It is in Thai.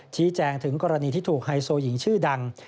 ชี้แจงถึงกรณีที่ถูกไฮโซหญิงชื่อดัง